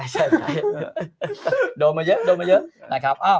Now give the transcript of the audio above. ใช่โดนมาเยอะ